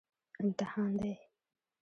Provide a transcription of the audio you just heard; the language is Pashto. امتحان دی